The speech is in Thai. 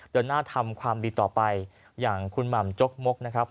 เดินหน้าทำความดีต่อไปอย่างคุณหม่ำจกมกนะครับ